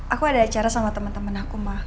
aku ada acara sama temen temen aku mah